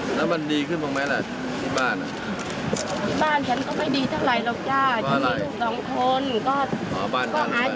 ก็อายุให้กินได้ธรรมดาท่าน